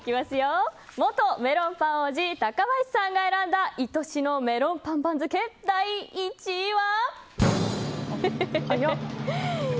元メロンパン王子タカバシさんが選んだ、愛しのメロンパン番付第１位は。